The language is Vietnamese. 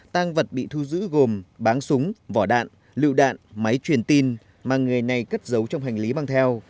tăng vật bị thu giữ gồm bán súng vỏ đạn lựu đạn máy truyền tin mà người này cất giấu trong hành lý mang theo